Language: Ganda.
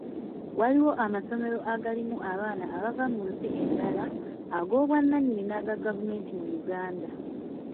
Waliwo amasomero agalimu abaana abava mu nsi endala, ag'obwannanyini n'aga gavumenti mu Uganda.